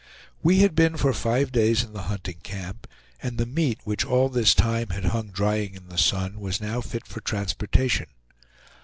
We had been for five days in the hunting camp, and the meat, which all this time had hung drying in the sun, was now fit for transportation.